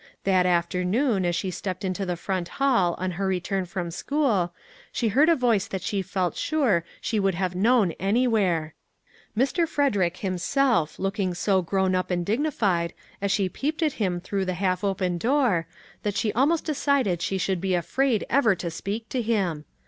That afternoon as she stepped into the front hall on her return from school, she heard a voice that she felt sure she would have known anywhere. " Mr. Frederick " himself, look ing so grown up and dignified, as she peeped at him through the half open door, that she almost decided she should be afraid ever to speak to him.